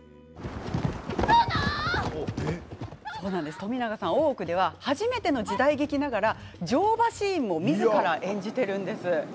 冨永さん、「大奥」では初めての時代劇ながら乗馬のシーンもみずから演じているんです。